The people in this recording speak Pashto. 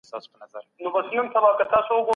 هغوی یوازې د عادت او دود له مخې عبادت کوي.